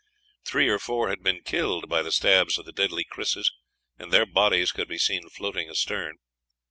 Three or four had been killed by the stabs of the deadly krises, and their bodies could be seen floating astern.